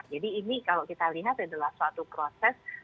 jadi ini kalau kita lihat adalah suatu proses